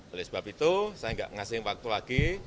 oleh sebab itu saya nggak ngasih waktu lagi